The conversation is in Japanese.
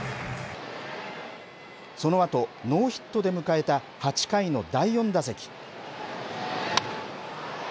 そのあと、ノーヒットで迎えた８回の第４打席。